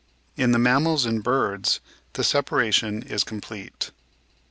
In the mammals and birds the separation is complete.